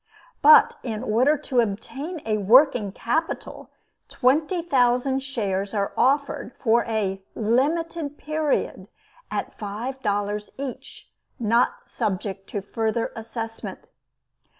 But in order to obtain a WORKING CAPITAL, twenty thousand shares are offered for a limited period at five dollars each, not subject to further assessment.